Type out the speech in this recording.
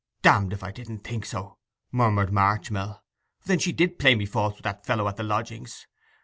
'I'm damned if I didn't think so!' murmured Marchmill. 'Then she did play me false with that fellow at the lodgings!